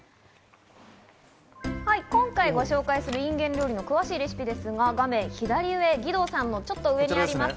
今回ご紹介するインゲン料理の詳しいレシピですが、画面左上、義堂さんのちょっと上にあります